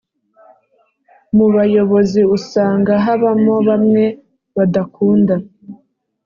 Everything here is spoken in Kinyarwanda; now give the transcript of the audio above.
Mubayobozi usanga habamo bamwe badakunda